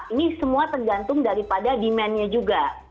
ini semua tergantung daripada demandnya juga